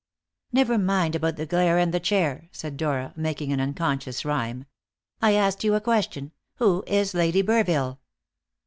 "Never mind about the glare and the chair," said Dora, making an unconscious rhyme; "I asked you a question. Who is Lady Burville?"